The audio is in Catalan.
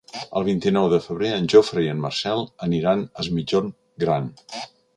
El vint-i-nou de febrer en Jofre i en Marcel aniran a Es Migjorn Gran.